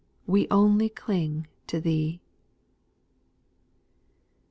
We only cling to Thee